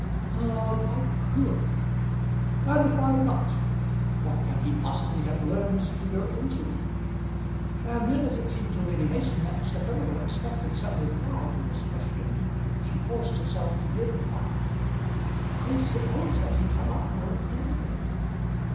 "Ah, if I could!" "And why not? What can he possibly have learned to your injury?" And then as it seemed to Lady Mason that Mr. Furnival expected some reply to this question, she forced herself to give him one. "I suppose that he cannot know anything."